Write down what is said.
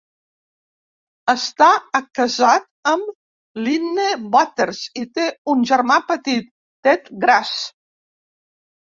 Està acasat amb Lynne Waters i té un germà petit, Ted Grass.